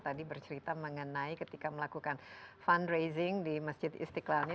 tadi bercerita mengenai ketika melakukan fundraising di masjid istiqlalnya